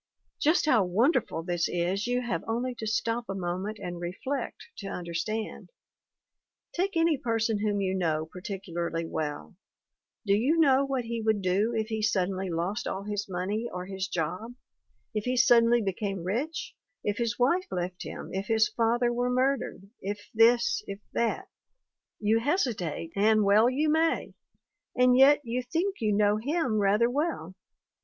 Just how wonderful this is you have only to stop a moment and reflect to understand. Take 1 88 THE WOMEN WHO MAKE OUR NOVELS any person whom you know particularly well do you know what he would do if he suddenly lost all his money, or his job; if he suddenly became rich; if his wife left him; if his father were murdered; if this; if that? You hesitate and well you may; and yet you think you know him rather well!